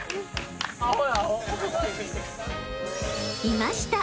［いました。